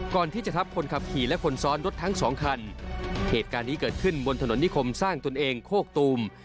ก่อนที่จะทับคนขับขี่และคนซ้อนรถทั้งสองคันเหตุการณ์นี้เกิดขึ้นบนถนนนิคมสร้างตนเองโคกตูม